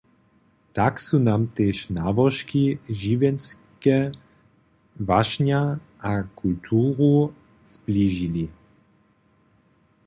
Tak su nam tež nałožki, žiwjenske wašnja a kulturu zbližili.